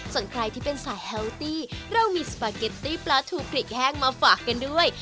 ส่วนใครที่เป็นสายแฮลตี้เรามีสปาเกตตี้ปลาทูพริกแห้งมาฝากกันด้วย